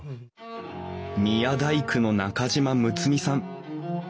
宮大工の中島睦巳さん。